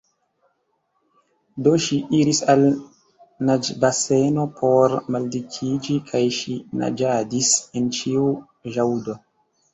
Do ŝi iris al naĝbaseno por maldikiĝi, kaj ŝi naĝadis en ĉiu ĵaŭdo.